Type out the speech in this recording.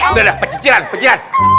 udah udah peci ci ran peci ci ran